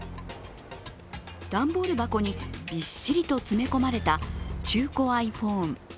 段ボール箱にびっしりと詰め込まれた中古ｉＰｈｏｎｅ。